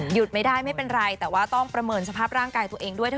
ไม่ได้ไม่เป็นไรแต่ว่าต้องประเมินสภาพร่างกายตัวเองด้วย